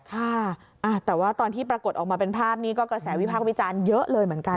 ค่ะแต่ว่าตอนที่ปรากฏออกมาเป็นภาพนี้ก็กระแสวิพักษ์วิจารณ์เยอะเลยเหมือนกัน